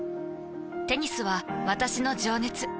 テニスは私の情熱。